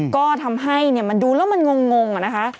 ก็ทำให้มันดูแล้วมันงงอะนะคะ